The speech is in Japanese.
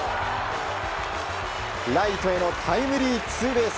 ライトへのタイムリーツーベース。